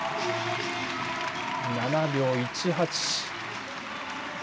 ７秒１８。